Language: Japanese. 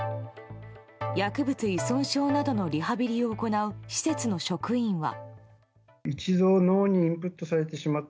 薬物依存症などのリハビリを行う施設の職員は。